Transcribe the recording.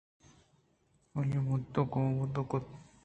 آئی ءِ مدت ءُکمک بندکُتگ اَت